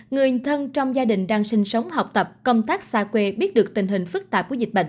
người thân trong gia đình đang sinh sống học tập công tác xa quê biết được tình hình phức tạp của dịch bệnh